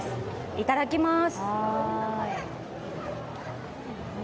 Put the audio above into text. いただきまーす。